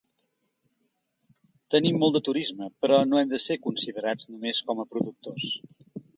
Tenim molt de turisme, però no hem de ser considerats només com a productors.